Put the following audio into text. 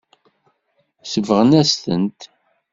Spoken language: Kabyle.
Sebɣen-as-tent.